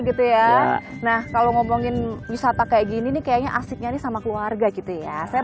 gitu ya nah kalau ngomongin wisata kayak gini nih kayaknya asiknya nih sama keluarga gitu ya saya